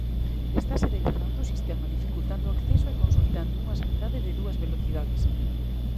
Estase degradando o sistema, dificultando o acceso e consolidando unha sanidade de dúas velocidades.